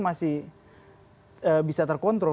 masih bisa terkontrol